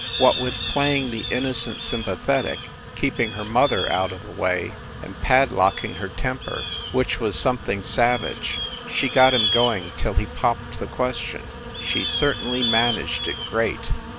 What with playing the innocent sympathetic, keeping her mother out o the way and padlocking her temper, which was something sav THE LIARS CLUB 77 age, she got him going till he popped the question. She certainly managed it great.